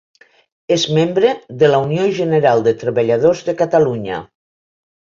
És membre de la Unió General de Treballadors de Catalunya.